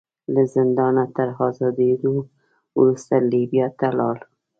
له زندانه تر ازادېدو وروسته لیبیا ته لاړ.